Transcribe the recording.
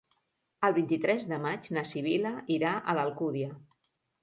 El vint-i-tres de maig na Sibil·la irà a l'Alcúdia.